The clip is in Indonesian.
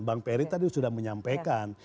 bang peri tadi sudah menyampaikan